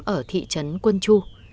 ở thị trấn quân chu